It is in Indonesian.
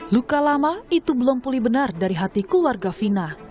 luka lama itu belum pulih benar dari hati keluarga fina